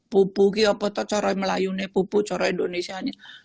pupu itu apa itu cara melayu ini pupu cara indonesia ini